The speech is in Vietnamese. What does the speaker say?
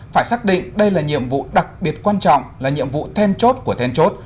phải xác định đây là nhiệm vụ đặc biệt quan trọng là nhiệm vụ then chốt của then chốt